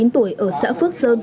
sáu mươi chín tuổi ở xã phước sơn